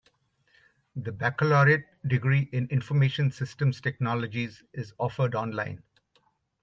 The baccalaureate degree in Information Systems Technologies is offered online.